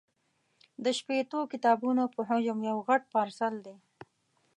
د شپېتو کتابونو په حجم یو غټ پارسل دی.